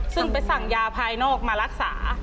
ซึ่งไปสั่งยาภายนอกมารักษา